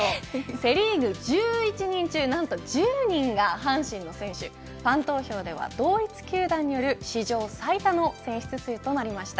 セ・リーグ１１人中何と１０人が阪神の選手ファン投票では、同一球団による史上最多の選出数となりました。